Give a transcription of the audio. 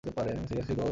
Seriously, দোস্ত?